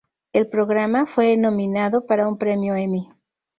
El programa fue nominado para un premio Emmy.